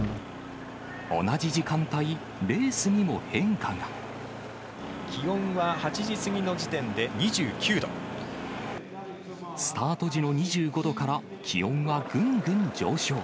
同じ時間帯、レースにも変化気温は８時過ぎの時点で２９スタート時の２５度から、気温はぐんぐん上昇。